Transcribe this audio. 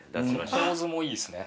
この構図もいいですね。